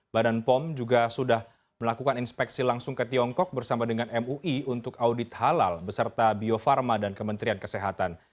badan pom juga sudah melakukan inspeksi langsung ke tiongkok bersama dengan mui untuk audit halal beserta bio farma dan kementerian kesehatan